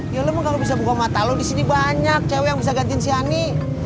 ya lo mah gak bisa buka mata lo disini banyak cewe yang bisa gantiin si ani